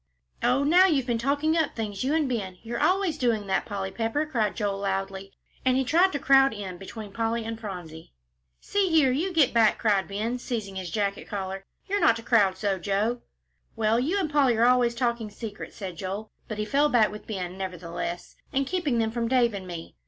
"Oh, now you've been talking up things, you and Ben; you're always doing that, Polly Pepper," cried Joel, loudly. And he tried to crowd in between Polly and Phronsie. "See here, you get back!" cried Ben, seizing his jacket collar; "you're not to crowd so, Joe." "Well, you and Polly are always talking secrets," said Joel, but he fell back with Ben nevertheless, "and keeping them from Dave and me."